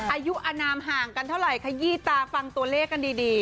อายุอนามห่างกันเท่าไหร่ขยี้ตาฟังตัวเลขกันดี